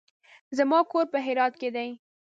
زما کور په هرات کې دی.